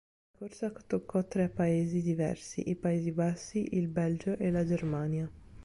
La corsa toccò tre paesi diversi: i Paesi Bassi, il Belgio e la Germania.